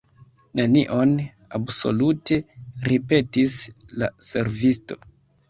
"Nenion absolute!" ripetis la servisto.